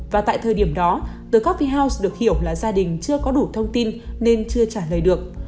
và tại thời điểm đó tờ copy house được hiểu là gia đình chưa có đủ thông tin nên chưa trả lời được